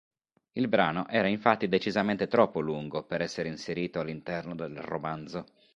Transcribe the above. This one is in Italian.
Il brano era infatti decisamente troppo lungo per essere inserito all'interno del romanzo.